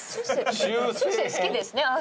中世好きですね。